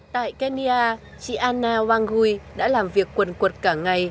tại kenya chị anna wangui đã làm việc quần cuột cả ngày